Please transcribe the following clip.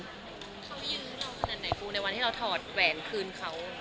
เขายื้อเราขนาดไหนครูในวันที่เราถอดแหวนคืนเขา